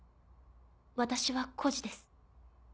私は孤児です。